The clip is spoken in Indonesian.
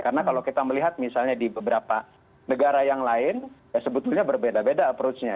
karena kalau kita melihat misalnya di beberapa negara yang lain ya sebetulnya berbeda beda approach nya